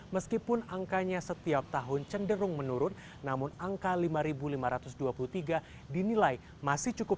meskipun angkanya setiap tahun cenderung menurun namun angka lima lima ratus dua puluh tiga dinilai masih cukup